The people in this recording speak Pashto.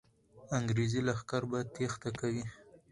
انګریزي لښکر به تېښته کوي.